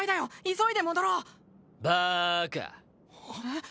急いで戻ろうバーカえっ？